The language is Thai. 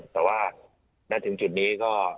แต่ว่าณถึงจุดนี้ก็